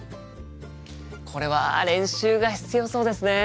これは練習が必要そうですね。